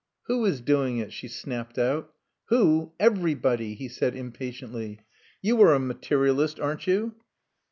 "Who is doing it?" she snapped out. "Who? Everybody," he said impatiently. "You are a materialist, aren't you?"